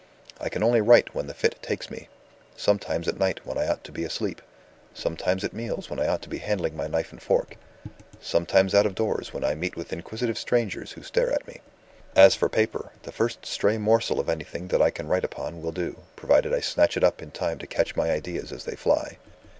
I can only write when the fit takes me sometimes at night when I ought to be asleep; sometimes at meals when I ought to be handling my knife and fork; sometimes out of doors when I meet with inquisitive strangers who stare at me. As for paper, the first stray morsel of anything that I can write upon will do, provided I snatch it up in time to catch my ideas as they fly.